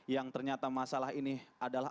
yang ternyata masalah ini adalah